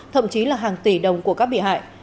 thậm chí là hàng tỷ đồng của các bị hại